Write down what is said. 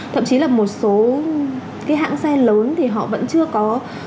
thậm chí là một số cái hãng xe lớn thì họ vẫn chưa có